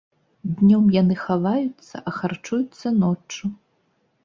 Днём яны хаваюцца, а харчуюцца ноччу.